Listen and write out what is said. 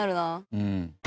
うん。